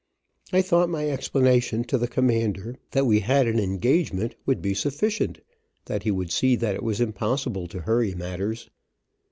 I thought my explanation to the commander that we had an engagement, would be sufficient, that he would see that it was impossible to hurry matters.